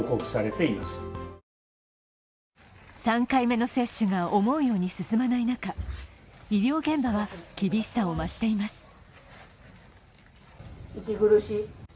３回目の接種が思うように進まない中、医療現場は厳しさを増しています。